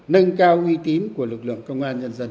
nâng cao uy tín của lực lượng công an nhân dân